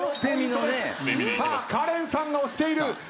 さあカレンさんが押している。